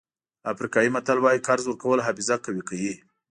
افریقایي متل وایي قرض ورکول حافظه قوي کوي.